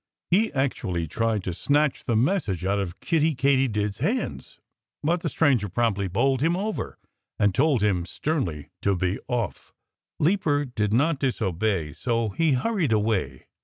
He actually tried to snatch the message out of Kiddie Katydid's hands. But the stranger promptly bowled him over and told him sternly to be off. Leaper did not dare disobey. So he hurried away.